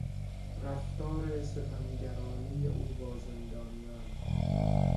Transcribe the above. رفتار ستمگرانهی او با زندانیان